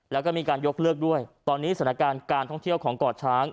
แล้วก็มีการยกเลิกด้วยตอนนี้สถานการณ์การท่องเที่ยวของเกาะช้าง